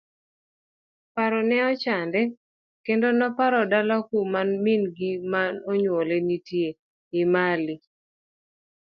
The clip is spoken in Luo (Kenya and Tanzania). Paro ne ochande kendo noparo dala kuma min gi ma onyuole nitie, Emali.